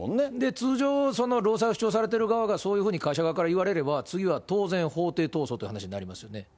通常、労災を主張されている側がそういうふうに会社側から言われれば、次は当然、法廷闘争っていう話になりますよね。